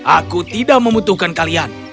aku tidak membutuhkan kalian